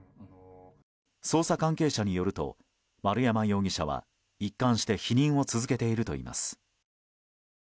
捜査関係者によると丸山容疑者は一貫して否認を続けているといいます。